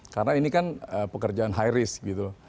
karena ini kan pekerjaan high risk gitu